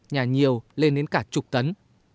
nhà nhiều lên đến cả chục tấn